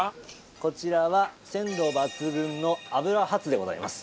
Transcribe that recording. こちらは鮮度抜群の脂ハツでございます。